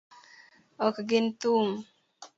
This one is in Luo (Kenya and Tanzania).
Ok gin thum.